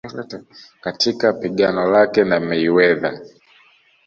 katika pigano lake na Mayweather